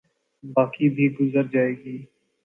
باقی بھی گزر جائے گی۔